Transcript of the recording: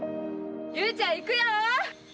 雄ちゃん行くよ！